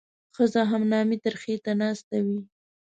ښځه هم نامي ترخي ته ناسته وي.